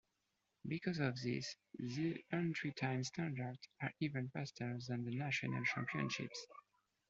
Because of this, the entry time standards are even faster than the National Championships.